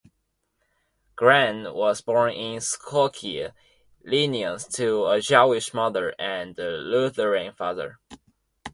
Grahn was born in Skokie, Illinois to a Jewish mother and a Lutheran father.